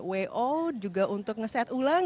wo juga untuk nge set ulang